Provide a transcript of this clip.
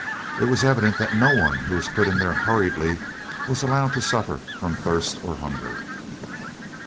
It was evident that no one who was put in there hurriedly was to be allowed to suffer from thirst or hunger.